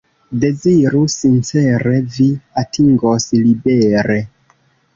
Deziru sincere, vi atingos libere.